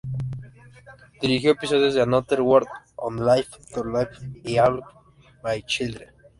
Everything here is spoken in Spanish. Dirigió episodios de "Another World", "One Life to Live" y "All My Children".